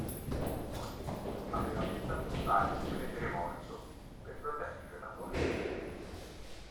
Così aveva pensato di farsi credere morto per proteggere la sua famiglia.